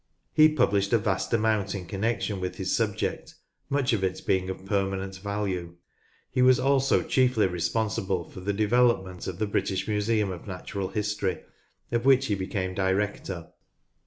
He published a vast amount in connection with his subject, much of it being of permanent value. He was also chiefly responsible for the development of the British Sir Richard Owen 156 NORTH LANCASHIRE Museum of Natural History, of which he became Director.